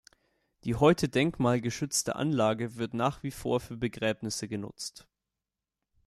Die heute denkmalgeschützte Anlage wird nach wie vor für Begräbnisse genutzt.